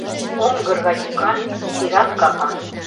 Оҥгыр гай йӱкан, изирак капан